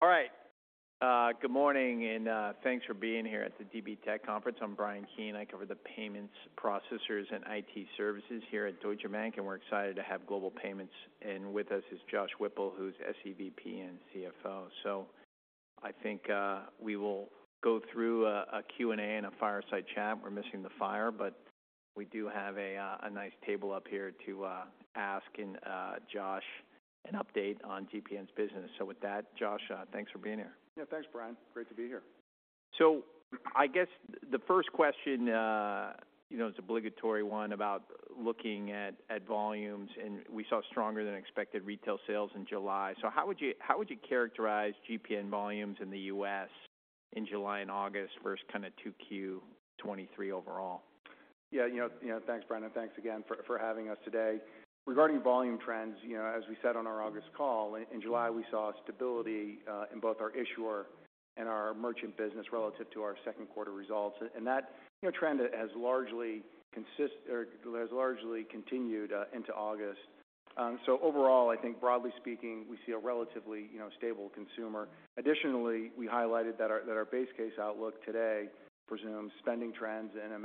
All right. Good morning, and thanks for being here at the DB Tech Conference. I'm Bryan Keane. I cover the payments, processors, and IT services here at Deutsche Bank, and we're excited to have Global Payments. With us is Josh Whipple, who's SEVP and CFO. I think we will go through a Q&A and a fireside chat. We're missing the fire, but we do have a nice table up here to ask, and Josh, an update on GPN's business. With that, Josh, thanks for being here. Yeah, thanks, Bryan. Great to be here. I guess the first question, you know, is an obligatory one about looking at, at volumes. We saw stronger than expected retail sales in July. How would you- how would you characterize GPN volumes in the U.S. in July and August versus kind of 2Q23 overall? Yeah, you know, you know, thanks, Bryan, and thanks again for having us today. Regarding volume trends, you know, as we said on our August call, in July, we saw stability in both our issuer and our merchant business relative to our second quarter results. And that, you know, trend has largely continued into August. So overall, I think broadly speaking, we see a relatively, you know, stable consumer. Additionally, we highlighted that our base case outlook today presumes spending trends and a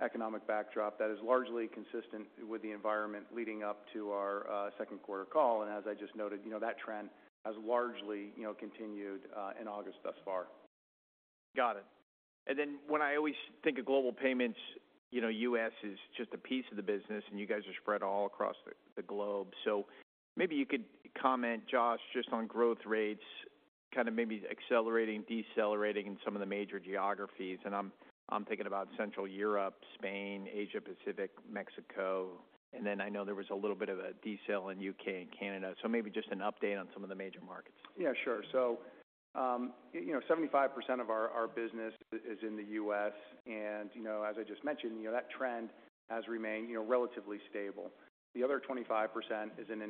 macroeconomic backdrop that is largely consistent with the environment leading up to our second quarter call. And as I just noted, you know, that trend has largely, you know, continued in August thus far, Got it. And then when I always think of Global Payments, you know, U.S. is just a piece of the business, and you guys are spread all across the globe. So maybe you could comment, Josh, just on growth rates, kind of maybe accelerating, decelerating in some of the major geographies. I'm thinking about Central Europe, Spain, Asia Pacific, Mexico, and then I know there was a little bit of a decel in U.K. and Canada. So maybe just an update on some of the major markets. Yeah, sure. So, you know, 75% of our business is in the U.S., and, you know, as I just mentioned, you know, that trend has remained, you know, relatively stable. The other 25% is in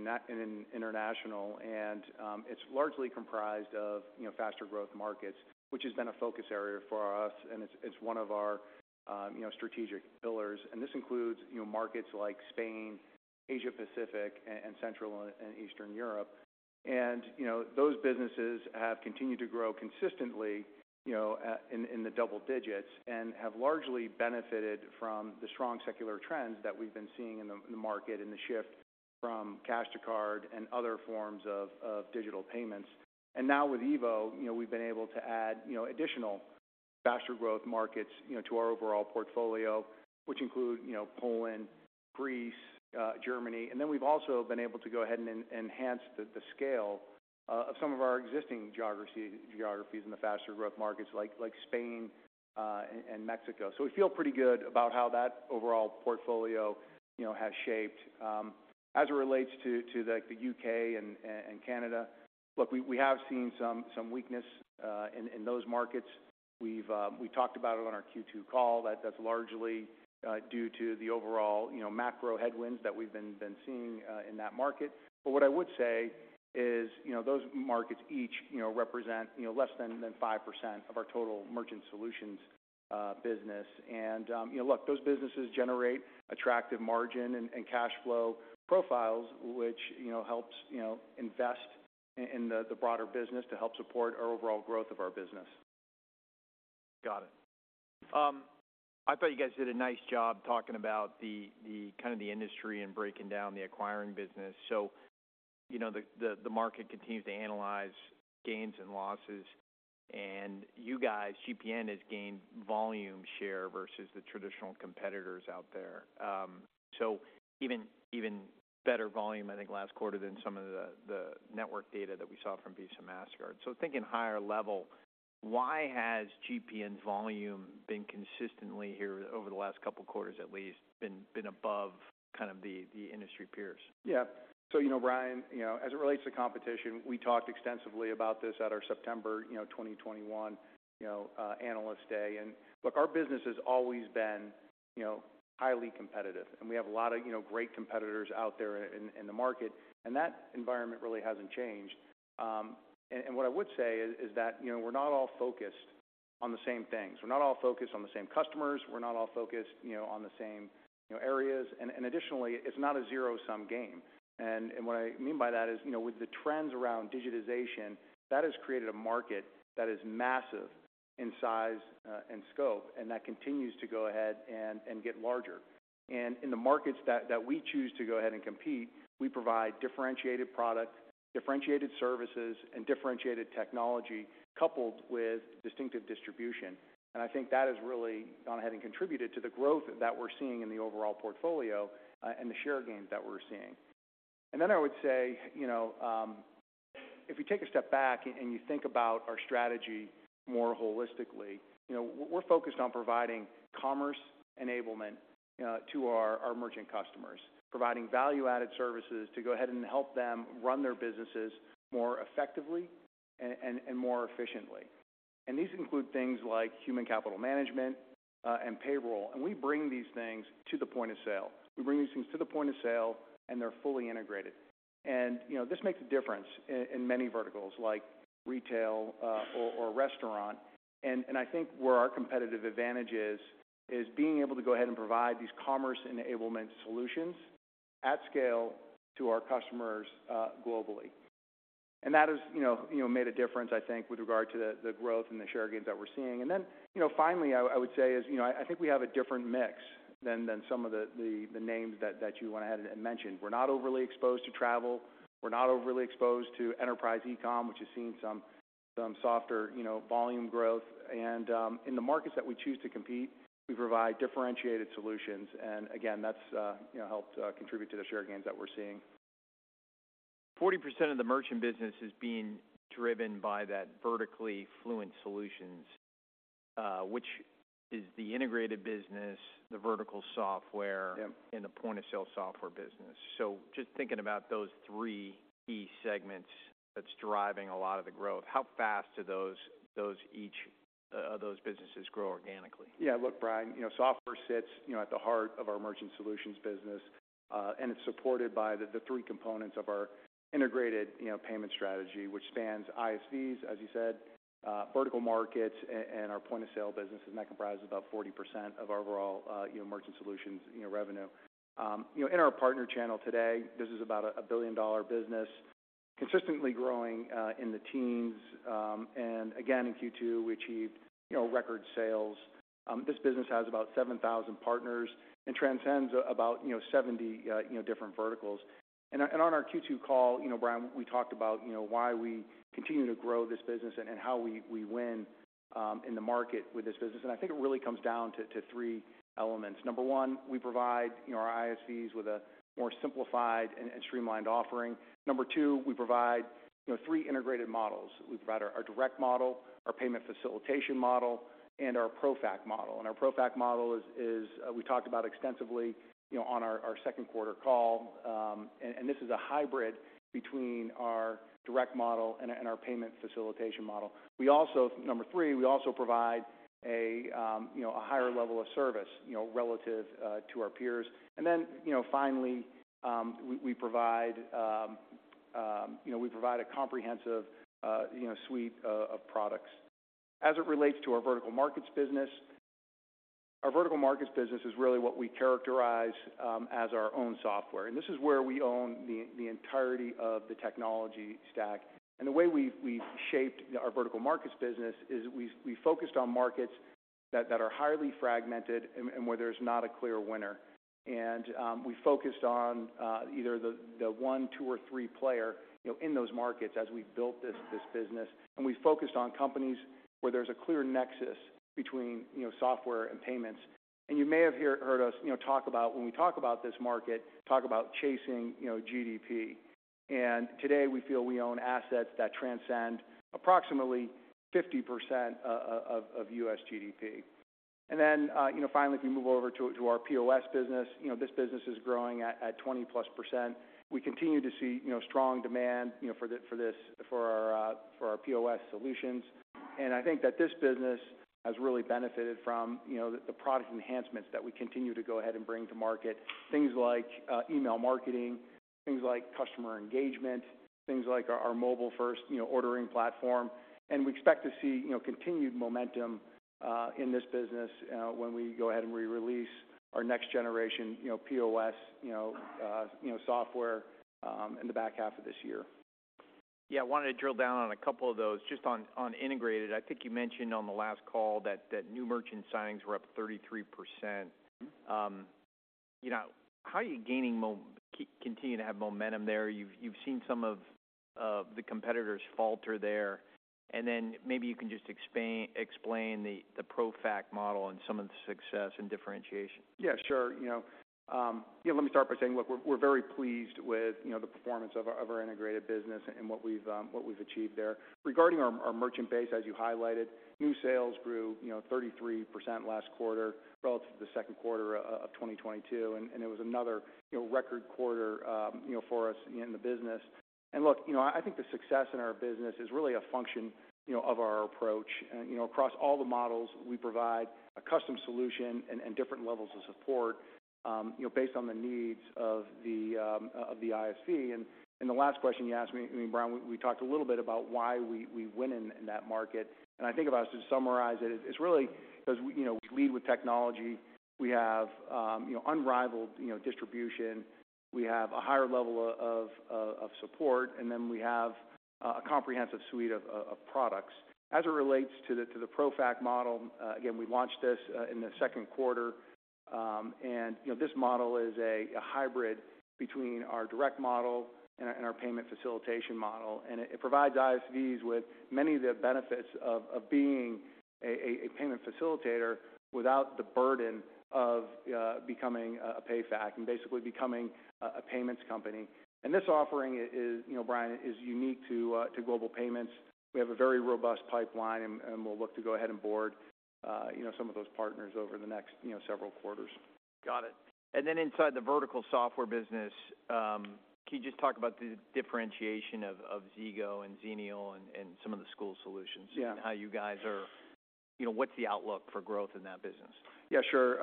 international, and, it's largely comprised of, you know, faster growth markets, which has been a focus area for us, and it's one of our strategic pillars. And this includes, you know, markets like Spain, Asia Pacific, and Central and Eastern Europe. And, you know, those businesses have continued to grow consistently, you know, in the double digits and have largely benefited from the strong secular trends that we've been seeing in the market, and the shift from cash to card and other forms of digital payments. Now with EVO, you know, we've been able to add, you know, additional faster growth markets, you know, to our overall portfolio, which include, you know, Poland, Greece, Germany. Then we've also been able to go ahead and enhance the scale of some of our existing geographies in the faster growth markets like Spain and Mexico. So we feel pretty good about how that overall portfolio, you know, has shaped. As it relates to like the U.K. and Canada. Look, we have seen some weakness in those markets. We've. We talked about it on our Q2 call, that that's largely due to the overall, you know, macro headwinds that we've been seeing in that market. But what I would say is, you know, those markets each, you know, represent, you know, less than 5% of our total Merchant Solutions business. And, you know, look, those businesses generate attractive margin and cash flow profiles, which, you know, helps, you know, invest in the broader business to help support our overall growth of our business. Got it. I thought you guys did a nice job talking about the kind of the industry and breaking down the acquiring business. So, you know, the market continues to analyze gains and losses, and you guys, GPN, has gained volume share versus the traditional competitors out there. So even better volume, I think, last quarter than some of the network data that we saw from Visa, Mastercard. So thinking higher level, why has GPN's volume been consistently here over the last couple of quarters at least, been above kind of the industry peers? Yeah. So, you know, Bryan, you know, as it relates to competition, we talked extensively about this at our September 2021 Analyst Day. Look, our business has always been, you know, highly competitive, and we have a lot of, you know, great competitors out there in the market, and that environment really hasn't changed. And what I would say is that, you know, we're not all focused on the same things. We're not all focused on the same customers, we're not all focused, you know, on the same areas. And additionally, it's not a zero-sum game. And what I mean by that is, you know, with the trends around digitization, that has created a market that is massive in size and scope, and that continues to go ahead and get larger. In the markets that we choose to go ahead and compete, we provide differentiated product, differentiated services and differentiated technology, coupled with distinctive distribution. I think that has really gone ahead and contributed to the growth that we're seeing in the overall portfolio, and the share gains that we're seeing. Then I would say, you know, if you take a step back and you think about our strategy more holistically, you know, we're focused on providing commerce enablement to our merchant customers, providing value-added services to go ahead and help them run their businesses more effectively and more efficiently. These include things like human capital management and payroll. We bring these things to the point of sale. We bring these things to the point of sale, and they're fully integrated. And, you know, this makes a difference in many verticals like retail, or restaurant. And I think where our competitive advantage is being able to go ahead and provide these commerce enablement solutions at scale to our customers globally. And that has, you know, made a difference, I think, with regard to the growth and the share gains that we're seeing. And then, you know, finally, I would say is, you know, I think we have a different mix than some of the names that you went ahead and mentioned. We're not overly exposed to travel. We're not overly exposed to enterprise e-com, which has seen some softer, you know, volume growth. In the markets that we choose to compete, we provide differentiated solutions. And again, that's, you know, helped contribute to the share gains that we're seeing. 40% of the merchant business is being driven by that vertically fluent solutions, which is the integrated business, the vertical software- Yep. And the point-of-sale software business. So just thinking about those three key segments that's driving a lot of the growth, how fast do those, those each, those businesses grow organically? Yeah, look, Bryan, you know, software sits, you know, at the heart of our Merchant Solutions business, and it's supported by the three components of our integrated, you know, payment strategy, which spans ISVs, as you said, vertical markets and our point of sale business, and that comprises about 40% of our overall Merchant Solutions, you know, revenue. You know, in our partner channel today, this is about a billion-dollar business, consistently growing in the teens. And again, in Q2, we achieved, you know, record sales. This business has about 7,000 partners and transcends about, you know, 70 different verticals. And on our Q2 call, you know, Bryan, we talked about, you know, why we continue to grow this business and how we win in the market with this business. And I think it really comes down to 3 elements. Number 1, we provide, you know, our ISVs with a more simplified and streamlined offering. Number 2, we provide, you know, 3 integrated models. We provide our direct model, our payment facilitation model, and our ProFac model. And our ProFac model is, we talked about extensively, you know, on our second quarter call, and this is a hybrid between our direct model and our payment facilitation model. We also number 3, we also provide a, you know, a higher level of service, you know, relative to our peers. And then, you know, finally, we provide, you know, we provide a comprehensive, you know, suite of products. As it relates to our vertical markets business, our vertical markets business is really what we characterize as our own software. And this is where we own the entirety of the technology stack. And the way we've shaped our vertical markets business is we focused on markets that are highly fragmented and where there's not a clear winner. And we focused on either the one, two, or three player, you know, in those markets as we built this business. And we focused on companies where there's a clear nexus between, you know, software and payments. And you may have heard us, you know, talk about when we talk about this market, talk about chasing, you know, GDP. And today, we feel we own assets that transcend approximately 50% of U.S. GDP. And then, you know, finally, we move over to our POS business. You know, this business is growing at 20%+. We continue to see, you know, strong demand, you know, for our POS solutions. And I think that this business has really benefited from, you know, the product enhancements that we continue to go ahead and bring to market. Things like email marketing, things like customer engagement, things like our mobile first, you know, ordering platform. And we expect to see, you know, continued momentum in this business when we go ahead and re-release our next generation, you know, POS, you know, software in the back half of this year. Yeah, I wanted to drill down on a couple of those, just on, on integrated. I think you mentioned on the last call that, that new merchant signings were up 33%. Mm-hmm. You know, how are you gaining momentum? You continue to have momentum there? You've seen some of the competitors falter there. Then maybe you can just explain the ProFac model and some of the success and differentiation. Yeah, sure. You know, let me start by saying, look, we're, we're very pleased with, you know, the performance of our, of our integrated business and what we've, what we've achieved there. Regarding our, our merchant base, as you highlighted, new sales grew, you know, 33% last quarter relative to the second quarter of 2022, and it was another record quarter, you know, for us in the business. And look, you know, I think the success in our business is really a function, you know, of our approach. You know, across all the models, we provide a custom solution and different levels of support, you know, based on the needs of the ISV. The last question you asked me, I mean, Bryan, we talked a little bit about why we win in that market, and I think about to summarize it, it's really because, you know, we lead with technology. We have, you know, unrivaled distribution. We have a higher level of support, and then we have a comprehensive suite of products. As it relates to the ProFac model, again, we launched this in the second quarter. And, you know, this model is a hybrid between our direct model and our payment facilitation model, and it provides ISVs with many of the benefits of being a payment facilitator without the burden of becoming a PayFac and basically becoming a payments company. This offering is, you know, Bryan, unique to Global Payments. We have a very robust pipeline, and we'll look to go ahead and board, you know, some of those partners over the next, you know, several quarters. Got it. And then inside the vertical software business, can you just talk about the differentiation of Zego and Xenial and some of the School Solutions? Yeah. How you guys are... You know, what's the outlook for growth in that business? Yeah, sure.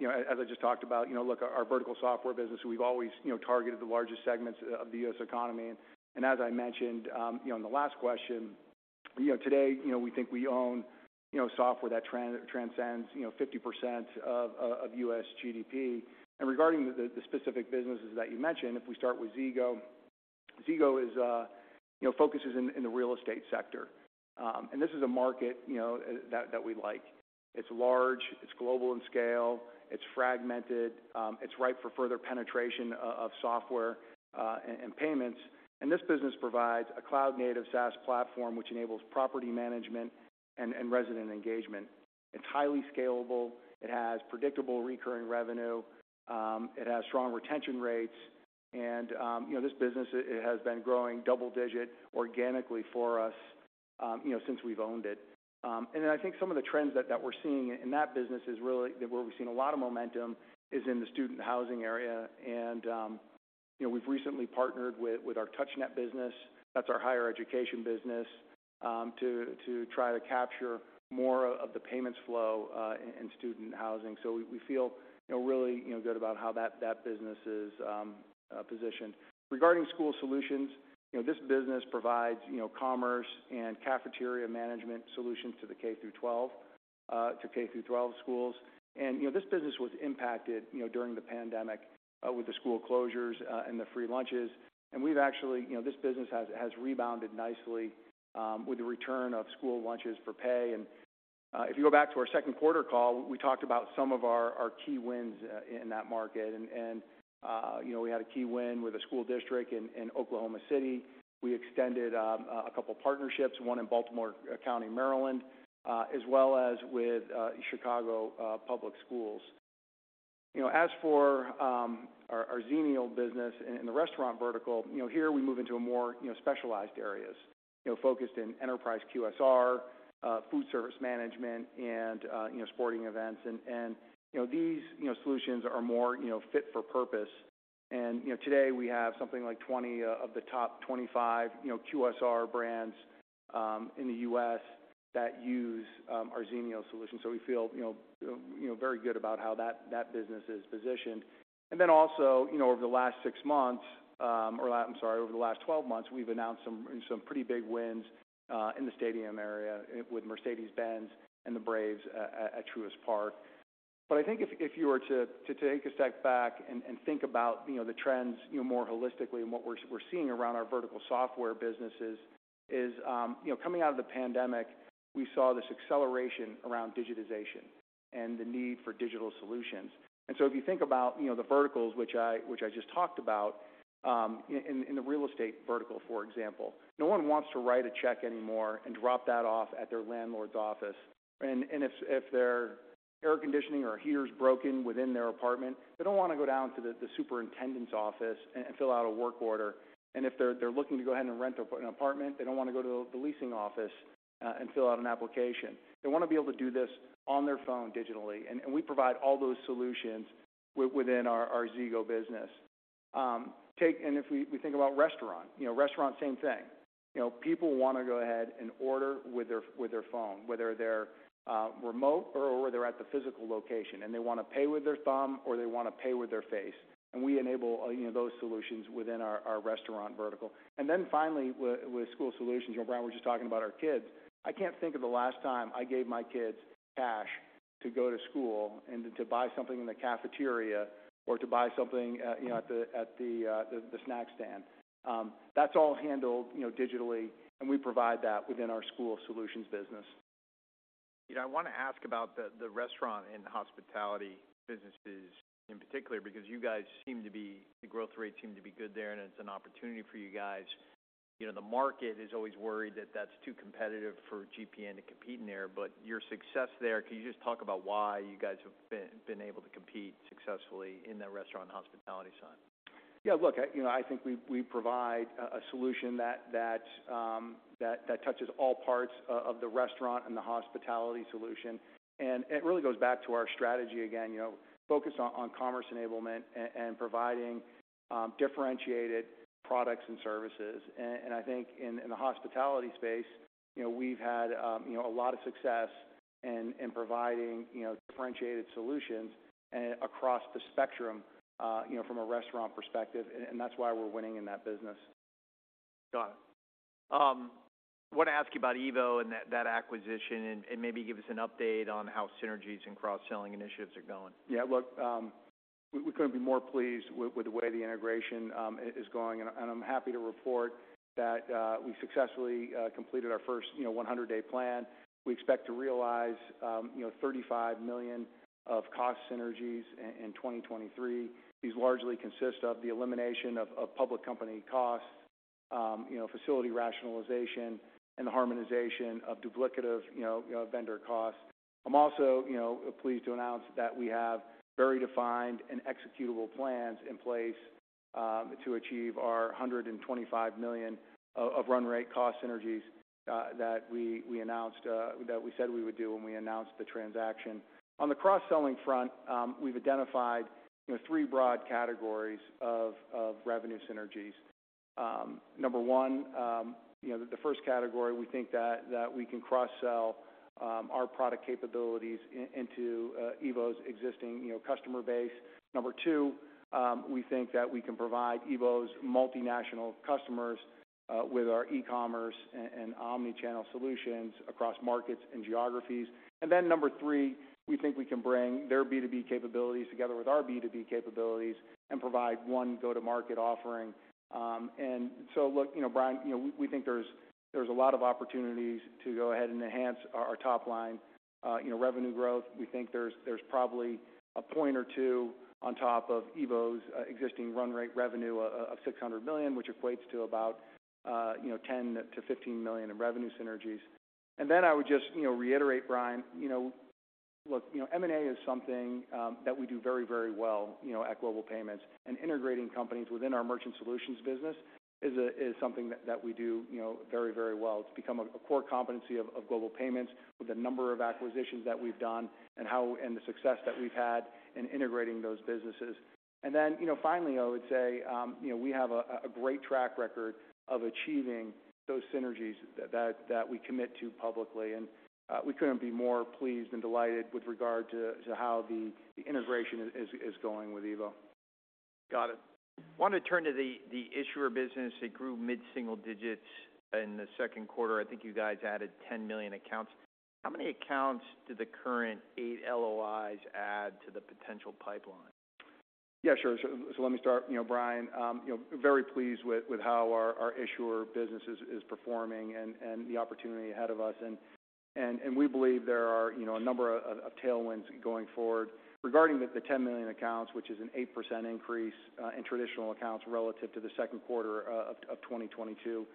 You know, as I just talked about, you know, look, our vertical software business, we've always, you know, targeted the largest segments of the U.S. economy. And as I mentioned, you know, in the last question... You know, today, you know, we think we own, you know, software that transcends, you know, 50% of U.S. GDP. And regarding the specific businesses that you mentioned, if we start with Zego, Zego is, you know, focuses in the real estate sector, and this is a market, you know, that we like. It's large, it's global in scale, it's fragmented, it's ripe for further penetration of software and payments. And this business provides a cloud-native SaaS platform, which enables property management and resident engagement. It's highly scalable, it has predictable recurring revenue, it has strong retention rates, and, you know, this business, it has been growing double-digit organically for us, you know, since we've owned it. And then I think some of the trends that we're seeing in that business is really where we've seen a lot of momentum is in the student housing area. And, you know, we've recently partnered with our TouchNet business, that's our higher education business, to try to capture more of the payments flow, in student housing. So we feel, you know, really, you know, good about how that business is, positioned. Regarding School Solutions, you know, this business provides, you know, commerce and cafeteria management solutions to the K through 12, to K through 12 schools. You know, this business was impacted, you know, during the pandemic, with the school closures, and the free lunches. We've actually, you know, this business has rebounded nicely, with the return of school lunches for pay. If you go back to our second quarter call, we talked about some of our key wins in that market. You know, we had a key win with a school district in Oklahoma City. We extended a couple partnerships, one in Baltimore County, Maryland, as well as with Chicago Public Schools. You know, as for our Xenial business in the restaurant vertical, you know, here we move into a more specialized areas, you know, focused in enterprise QSR, food service management, and you know, sporting events. You know, these you know solutions are more you know fit for purpose. You know, today we have something like 20 of the top 25 you know QSR brands in the U.S. that use our Xenial solutions. So we feel you know very good about how that business is positioned. Then also, you know, over the last six months or I'm sorry, over the last twelve months, we've announced some pretty big wins in the stadium area with Mercedes-Benz and the Braves at Truist Park. But I think if you were to take a step back and think about, you know, the trends, you know, more holistically and what we're seeing around our vertical software businesses is, you know, coming out of the pandemic, we saw this acceleration around digitization and the need for digital solutions. And so if you think about, you know, the verticals, which I just talked about, in the real estate vertical, for example, no one wants to write a check anymore and drop that off at their landlord's office. And if their air conditioning or heater is broken within their apartment, they don't want to go down to the superintendent's office and fill out a work order. And if they're, they're looking to go ahead and rent an apartment, they don't want to go to the leasing office, and fill out an application. They want to be able to do this on their phone digitally, and we provide all those solutions within our, our Zego business. And if we think about restaurant, you know, restaurant, same thing. You know, people want to go ahead and order with their, with their phone, whether they're, remote or whether they're at the physical location, and they want to pay with their thumb or they want to pay with their face. And we enable, you know, those solutions within our, our restaurant vertical. And then finally, with, with school solutions, you know, Bryan, we're just talking about our kids. I can't think of the last time I gave my kids cash to go to school and to buy something in the cafeteria, or to buy something, you know, at the snack stand. That's all handled, you know, digitally, and we provide that within our school solutions business. You know, I want to ask about the restaurant and hospitality businesses in particular, because you guys seem to be, the growth rate seemed to be good there, and it's an opportunity for you guys. You know, the market is always worried that that's too competitive for GPN to compete in there, but your success there, can you just talk about why you guys have been able to compete successfully in that restaurant and hospitality side? Yeah, look, you know, I think we provide a solution that touches all parts of the restaurant and the hospitality solution, and it really goes back to our strategy, again, you know, focus on commerce enablement and providing differentiated products and services. And I think in the hospitality space, you know, we've had you know a lot of success in providing you know differentiated solutions and across the spectrum, you know, from a restaurant perspective, and that's why we're winning in that business. Got it. Want to ask you about EVO and that, that acquisition, and, and maybe give us an update on how synergies and cross-selling initiatives are going. Yeah, look, we couldn't be more pleased with the way the integration is going, and I'm happy to report that we successfully completed our first, you know, 100-day plan. We expect to realize, you know, $35 million of cost synergies in 2023. These largely consist of the elimination of public company costs, you know, facility rationalization, and the harmonization of duplicative vendor costs. I'm also, you know, pleased to announce that we have very defined and executable plans in place to achieve our $125 million of run rate cost synergies that we announced that we said we would do when we announced the transaction. On the cross-selling front, we've identified the three broad categories of revenue synergies.... Number one, you know, the first category, we think that we can cross-sell our product capabilities into EVO's existing, you know, customer base. Number two, we think that we can provide EVO's multinational customers with our e-commerce and omni-channel solutions across markets and geographies. And then number three, we think we can bring their B2B capabilities together with our B2B capabilities and provide one go-to-market offering. So look, you know, Bryan, you know, we think there's a lot of opportunities to go ahead and enhance our top line, you know, revenue growth. We think there's probably a point or two on top of EVO's existing run rate revenue of $600 million, which equates to about, you know, $10-$15 million in revenue synergies. And then I would just, you know, reiterate, Bryan, you know, look, you know, M&A is something that we do very, very well, you know, at Global Payments. And integrating companies within our Merchant Solutions business is something that we do, you know, very, very well. It's become a core competency of Global Payments with the number of acquisitions that we've done and the success that we've had in integrating those businesses. And then, you know, finally, I would say, you know, we have a great track record of achieving those synergies that we commit to publicly, and we couldn't be more pleased and delighted with regard to how the integration is going with EVO. Got it. Want to turn to the issuer business. It grew mid-single digits in the second quarter. I think you guys added 10 million accounts. How many accounts do the current 8 LOIs add to the potential pipeline? Yeah, sure. So let me start. You know, Bryan, you know, very pleased with how our issuer business is performing and we believe there are, you know, a number of tailwinds going forward. Regarding the 10 million accounts, which is an 8% increase in traditional accounts relative to the second quarter of 2022. You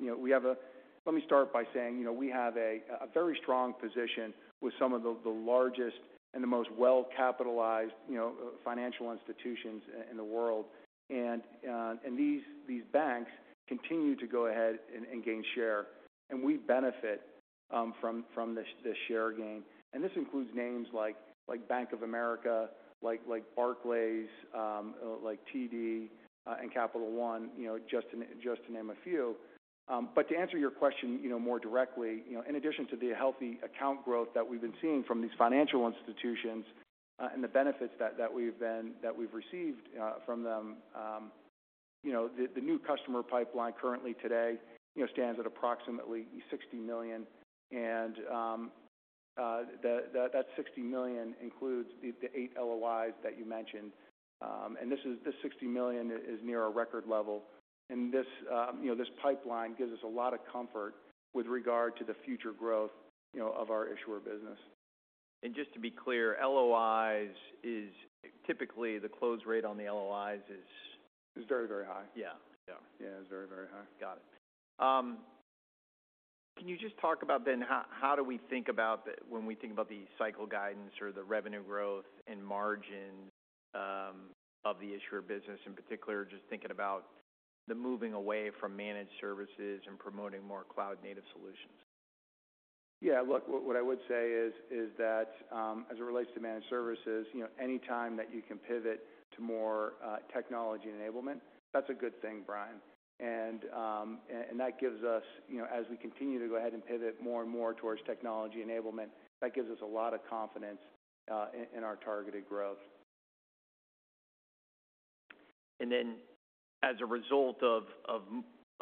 know, we have a... Let me start by saying, you know, we have a very strong position with some of the largest and the most well-capitalized, you know, financial institutions in the world. And these banks continue to go ahead and gain share, and we benefit from this share gain. This includes names like Bank of America, like Barclays, like TD, and Capital One, you know, just to name a few. But to answer your question, you know, more directly, you know, in addition to the healthy account growth that we've been seeing from these financial institutions, and the benefits that we've received from them, you know, the new customer pipeline currently today, you know, stands at approximately 60 million, and that 60 million includes the 8 LOIs that you mentioned. And this 60 million is near our record level, and this pipeline gives us a lot of comfort with regard to the future growth, you know, of our issuer business. Just to be clear, LOIs is typically the close rate on the LOIs is- Is very, very high. Yeah. Yeah. Yeah, is very, very high. Got it. Can you just talk about then, how do we think about when we think about the cycle guidance or the revenue growth and margins, of the issuer business in particular, just thinking about the moving away from managed services and promoting more cloud-native solutions? Yeah, look, what I would say is that, as it relates to managed services, you know, anytime that you can pivot to more technology enablement, that's a good thing, Brian. And that gives us, you know, as we continue to go ahead and pivot more and more towards technology enablement, that gives us a lot of confidence in our targeted growth. As a result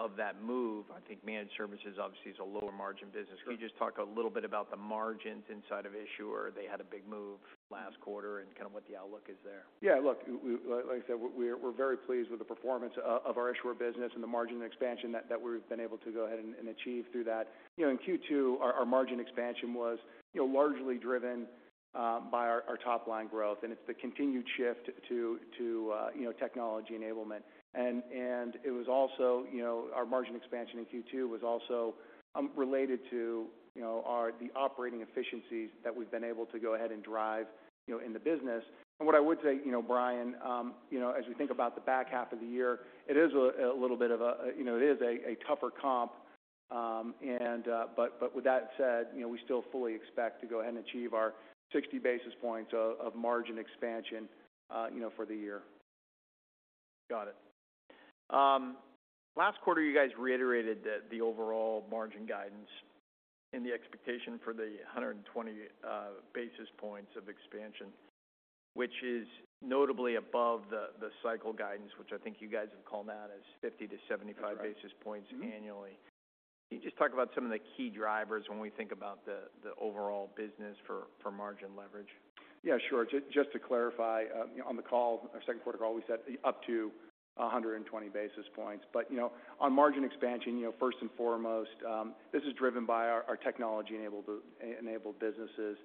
of that move, I think managed services obviously is a lower margin business. Correct. Can you just talk a little bit about the margins inside of issuer? They had a big move last quarter, and kind of what the outlook is there. Yeah, look, like I said, we're very pleased with the performance of our issuer business and the margin expansion that we've been able to go ahead and achieve through that. You know, in Q2, our margin expansion was, you know, largely driven by our top line growth, and it's the continued shift to you know, technology enablement. And it was also... You know, our margin expansion in Q2 was also related to you know, the operating efficiencies that we've been able to go ahead and drive, you know, in the business. What I would say, you know, Bryan, you know, as we think about the back half of the year, it is a little bit of a, you know, it is a tougher comp, but with that said, you know, we still fully expect to go ahead and achieve our 60 basis points of margin expansion, you know, for the year. Got it. Last quarter, you guys reiterated that the overall margin guidance and the expectation for the 120 basis points of expansion, which is notably above the cycle guidance, which I think you guys have called out as 50-75- That's right... basis points annually. Mm-hmm. Can you just talk about some of the key drivers when we think about the overall business for margin leverage? Yeah, sure. Just to clarify, on the call, our second quarter call, we set up to 100 basis points. But, you know, on margin expansion, you know, first and foremost, this is driven by our technology enabled businesses,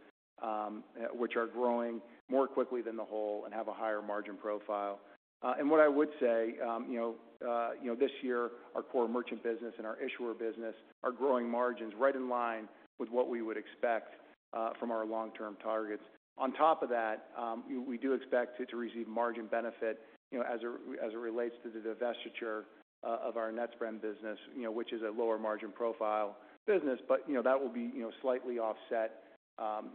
which are growing more quickly than the whole and have a higher margin profile. And what I would say, you know, this year, our core merchant business and our issuer business are growing margins right in line with what we would expect... from our long-term targets. On top of that, we do expect to receive margin benefit, you know, as it relates to the divestiture of our Netspend business, you know, which is a lower margin profile business. But, you know, that will be, you know, slightly offset,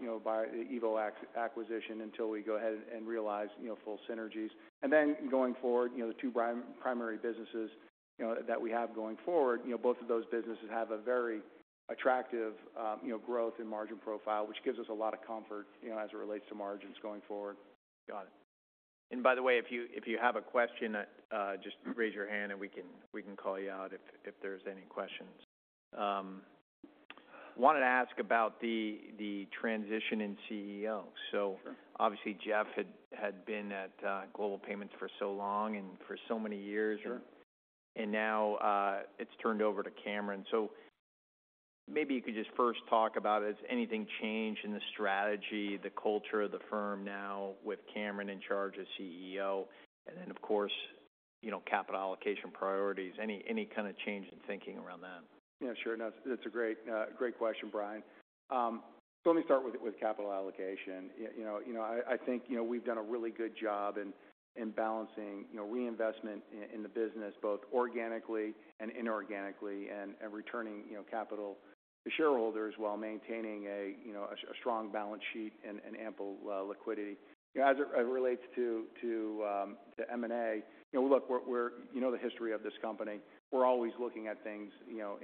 you know, by the EVO acquisition until we go ahead and realize, you know, full synergies. And then going forward, you know, the two primary businesses, you know, that we have going forward, you know, both of those businesses have a very attractive, you know, growth and margin profile, which gives us a lot of comfort, you know, as it relates to margins going forward. Got it. And by the way, if you have a question, just raise your hand and we can call you out if there's any questions. I wanted to ask about the transition in CEO. Sure. Obviously, Jeff had been at Global Payments for so long and for so many years. Sure. And now, it's turned over to Cameron. So maybe you could just first talk about, has anything changed in the strategy, the culture of the firm now with Cameron in charge as CEO? And then, of course, you know, capital allocation priorities. Any kind of change in thinking around that? Yeah, sure. No, it's a great, great question, Bryan. So let me start with capital allocation. You know, you know, I think, you know, we've done a really good job in balancing, you know, reinvestment in the business, both organically and inorganically, and returning, you know, capital to shareholders while maintaining a, you know, a strong balance sheet and ample liquidity. As it relates to M&A, you know, look, we're... You know the history of this company. We're always looking at things, you know,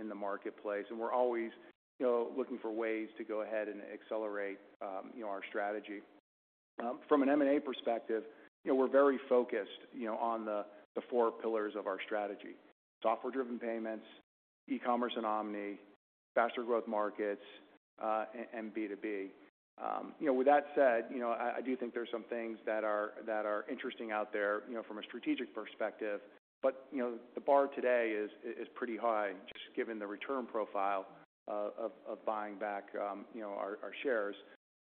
in the marketplace, and we're always, you know, looking for ways to go ahead and accelerate our strategy. From an M&A perspective, you know, we're very focused, you know, on the four pillars of our strategy: software-driven payments, e-commerce and omni, faster growth markets, and B2B. You know, with that said, you know, I do think there are some things that are interesting out there, you know, from a strategic perspective. But, you know, the bar today is pretty high, just given the return profile of buying back, you know, our shares.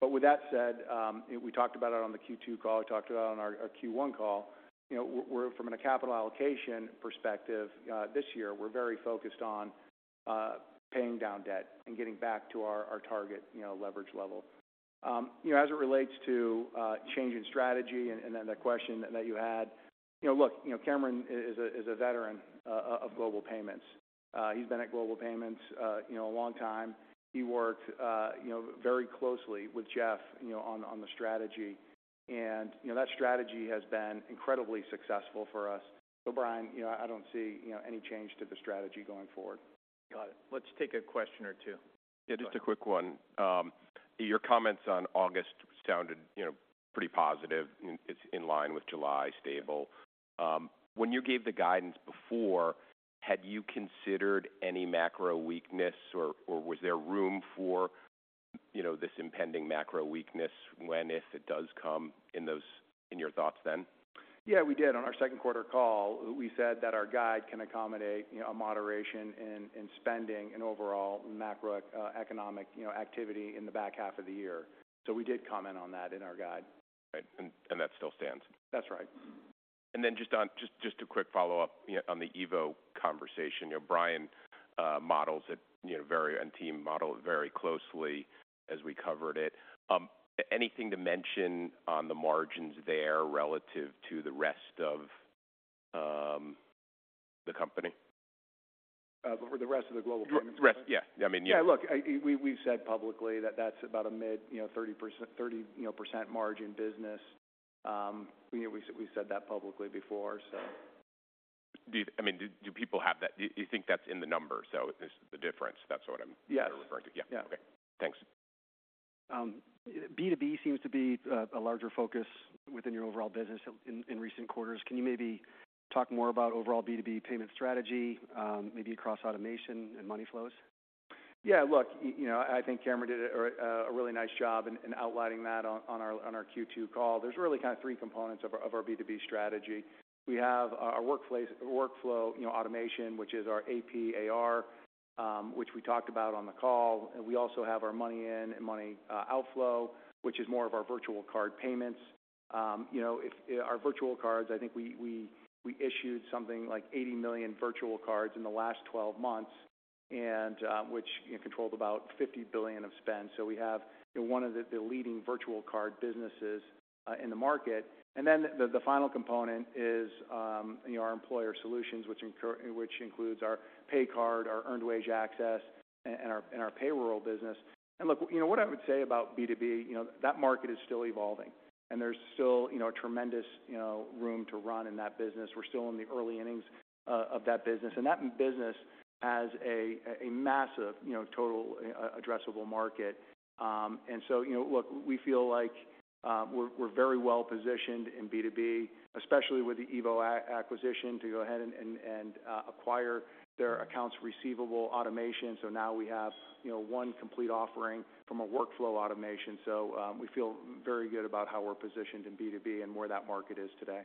But with that said, we talked about it on the Q2 call, we talked about it on our Q1 call, you know, we're from a capital allocation perspective, this year, we're very focused on paying down debt and getting back to our target, you know, leverage level. You know, as it relates to changing strategy and then the question that you had, you know, look, you know, Cameron is a veteran of Global Payments. He's been at Global Payments, you know, a long time. He worked, you know, very closely with Jeff, you know, on the strategy. And, you know, that strategy has been incredibly successful for us. So Bryan, you know, I don't see, you know, any change to the strategy going forward. Got it. Let's take a question or two. Yeah, just a quick one. Your comments on August sounded, you know, pretty positive. It's in line with July, stable. When you gave the guidance before, had you considered any macro weakness, or was there room for, you know, this impending macro weakness when, if it does come, in those in your thoughts then? Yeah, we did. On our second quarter call, we said that our guide can accommodate, you know, a moderation in spending and overall macroeconomic, you know, activity in the back half of the year. So we did comment on that in our guide. Right. And that still stands? That's right. Then just a quick follow-up, you know, on the EVO conversation. You know, Bryan and team model it very closely as we covered it. Anything to mention on the margins there relative to the rest of the company? For the rest of the Global Payments? Rest, yeah. I mean, yeah. Yeah, look, we, we've said publicly that that's about a mid, you know, 30%—30, you know, % margin business. You know, we, we said that publicly before, so... I mean, do people have that? Do you think that's in the number? So the difference, that's what I'm- Yeah referring to. Yeah. Yeah. Okay, thanks. B2B seems to be a larger focus within your overall business in recent quarters. Can you maybe talk more about overall B2B payment strategy, maybe across automation and money flows? Yeah, look, you know, I think Cameron did a really nice job in outlining that on our Q2 call. There's really kind of three components of our B2B strategy. We have our workplace - workflow, you know, automation, which is our AP/AR, which we talked about on the call, and we also have our money in and money outflow, which is more of our virtual card payments. You know, our virtual cards, I think we issued something like 80 million virtual cards in the last 12 months, and which controlled about $50 billion of spend. So we have one of the leading virtual card businesses in the market. And then the final component is, you know, our employer solutions, which includes our pay card, our earned wage access, and our payroll business. And look, you know, what I would say about B2B, you know, that market is still evolving, and there's still, you know, tremendous, you know, room to run in that business. We're still in the early innings of that business, and that business has a massive, you know, total addressable market. And so, you know, look, we feel like we're very well-positioned in B2B, especially with the EVO acquisition, to go ahead and acquire their accounts receivable automation. So now we have, you know, one complete offering from a workflow automation. So, we feel very good about how we're positioned in B2B and where that market is today.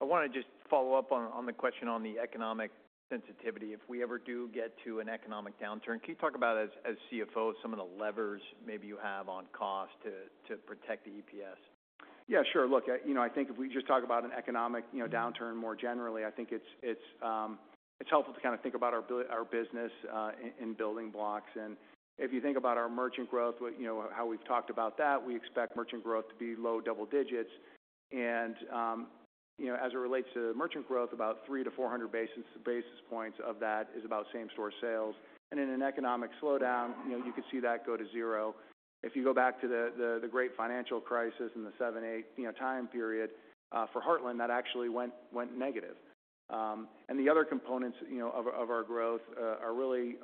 I want to just follow up on the question on the economic sensitivity. If we ever do get to an economic downturn, can you talk about, as CFO, some of the levers maybe you have on cost to protect the EPS? Yeah, sure. Look, you know, I think if we just talk about an economic, you know, downturn more generally, I think it's helpful to kind of think about our business in building blocks. And if you think about our merchant growth, you know, how we've talked about that, we expect merchant growth to be low double digits. And, you know, as it relates to merchant growth, about 300-400 basis points of that is about same store sales. And in an economic slowdown, you know, you could see that go to zero. If you go back to the great financial crisis in the 2007, 2008 time period, for Heartland, that actually went negative. And the other components, you know, of our growth are really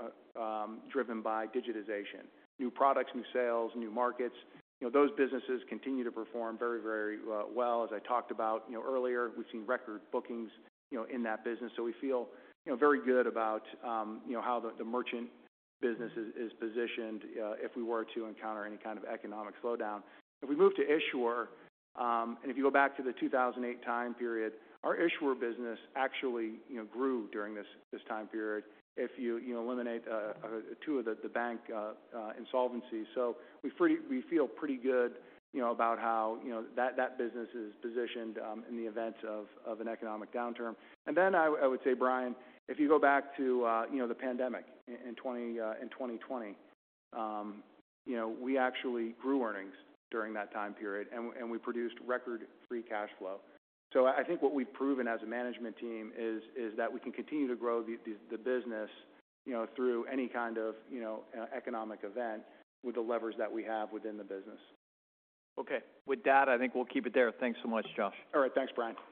driven by digitization, new products, new sales, new markets. You know, those businesses continue to perform very, very well. As I talked about, you know, earlier, we've seen record bookings, you know, in that business. So we feel, you know, very good about, you know, how the merchant business is positioned, if we were to encounter any kind of economic slowdown. If we move to issuer, and if you go back to the 2008 time period, our issuer business actually, you know, grew during this time period, if you eliminate two of the bank insolvency. So we feel pretty good, you know, about how, you know, that business is positioned in the event of an economic downturn. And then I would say, Bryan, if you go back to the pandemic in 2020, you know, we actually grew earnings during that time period, and we produced record free cash flow. So I think what we've proven as a management team is that we can continue to grow the business, you know, through any kind of economic event with the levers that we have within the business. Okay. With that, I think we'll keep it there. Thanks so much, Josh. All right. Thanks, Bryan.